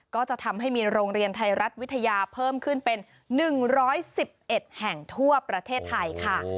ก็จะทำให้มีโรงเรียนไทยรัฐวิทยาเพิ่มขึ้นเป็น๑๑๑แห่งทั่วประเทศไทยค่ะ